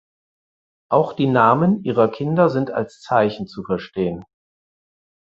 Auch die Namen ihrer Kinder sind als Zeichen zu verstehen.